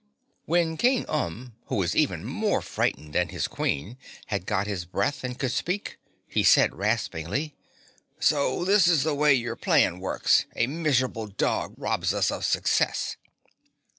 When King Umb, who was even more frightened than his Queen, had got his breath and could speak, he said raspingly, "So this is the way your plan works a miserable dog robs us of success!"